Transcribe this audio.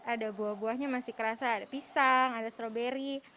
ada buah buahnya masih kerasa ada pisang ada stroberi